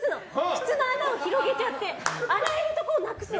靴の穴を広げちゃって洗えるところをなくすの！